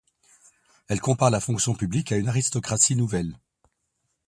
Elle compare la fonction publique à une aristocratie nouvelle.